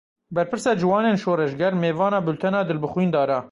Berpirsa Ciwanên Şoreşger mêvana bultena Dilbixwîn Dara.